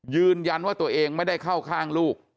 ยืนยันว่าตัวเองไม่ได้เข้าข้างลูก